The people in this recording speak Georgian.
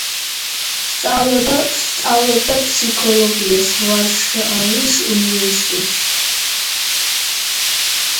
სწავლობდა ფსიქოლოგიას ვარშავის უნივერსიტეტში.